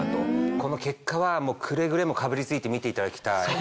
この結果はくれぐれもかぶり付いて見ていただきたい。